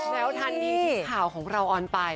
แล้วทันทีที่ข่าวของเราออนไป